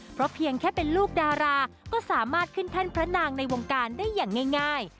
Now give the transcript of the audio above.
เพราะเพียงแค่เป็นลูกดาราก็สามารถขึ้นแท่นพระนางในวงการได้อย่างง่าย